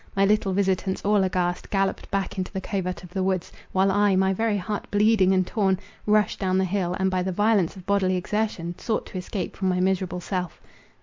My little visitants, all aghast, galloped back into the covert of the wood; while I, my very heart bleeding and torn, rushed down the hill, and by the violence of bodily exertion, sought to escape from my miserable self.